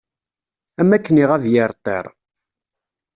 Am akken iɣab yir ṭṭir.